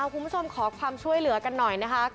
คุณผู้ชมขอความช่วยเหลือกันหน่อยนะคะ